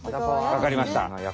わかりました。